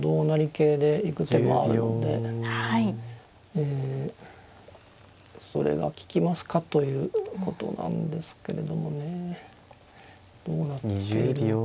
ええそれが利きますかということなんですけれどもねどうなっているのか。